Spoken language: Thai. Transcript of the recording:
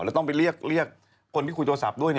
แล้วต้องไปเรียกคนที่คุยโทรศัพท์ด้วย